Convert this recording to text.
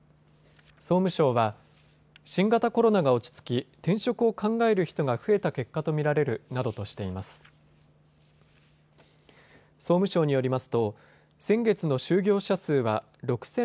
総務省は新型コロナが落ち着き転職を考える人が増えた結果と見られるなどとしています。